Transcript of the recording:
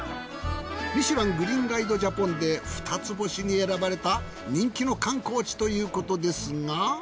ミシュラン・グリーンガイド・ジャポンで二つ星に選ばれた人気の観光地ということですが。